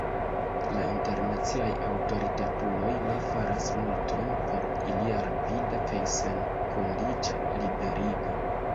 La internaciaj aŭtoritatuloj ne faras multon por ilia rapida kaj senkondiĉa liberigo.